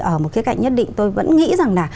ở một cái cạnh nhất định tôi vẫn nghĩ rằng là